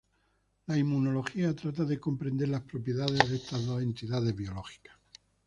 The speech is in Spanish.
La inmunología trata de comprender las propiedades de estas dos entidades biológicas.